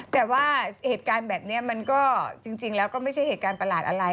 แต่ว่าเหตุการณ์แบบนี้มันก็จริงแล้วก็ไม่ใช่เหตุการณ์ประหลาดอะไร